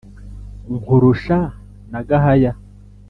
Nkurusha na Gahaya,